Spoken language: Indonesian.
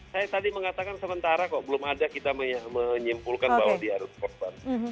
saya tadi mengatakan sementara kok belum ada kita menyimpulkan bahwa dia harus korban